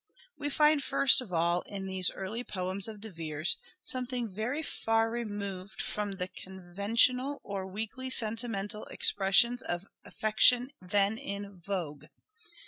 We find first of all in these early poems of De Vere's something very far removed from the conventional or weakly sentimental expressions of affection then in vogue.